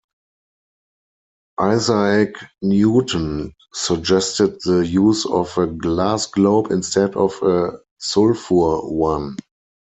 Isaac Newton suggested the use of a glass globe instead of a sulphur one.